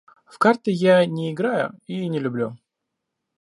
В карты я не играю и не люблю